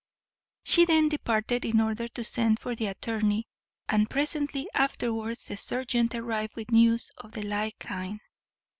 She then departed in order to send for the attorney, and presently afterwards the serjeant arrived with news of the like kind.